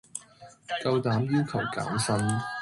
夠膽要求減薪